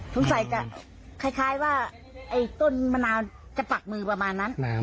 สงสัยจะคล้ายว่าไอ้ต้นมะนาวจะปักมือประมาณนั้น